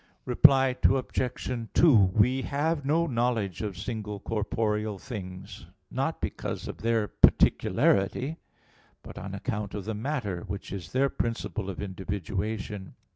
Reply Obj. 2: We have no knowledge of single corporeal things, not because of their particularity, but on account of the matter, which is their principle of individuation.